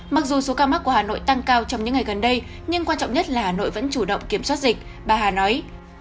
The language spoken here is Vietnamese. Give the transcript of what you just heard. mặc dù số ca mắc của hà nội tăng cao trong những ngày gần đây nhưng quan trọng nhất là hà nội vẫn chủ động kiểm soát dịch bà hà nói